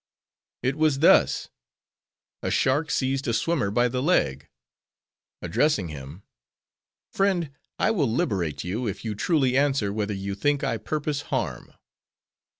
"It was thus. A shark seized a swimmer by the leg; addressing him: 'Friend, I will liberate you, if you truly answer whether you think I purpose harm.